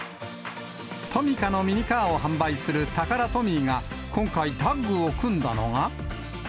トミカのミニカーを販売するタカラトミーが今回、タッグを組んだのが。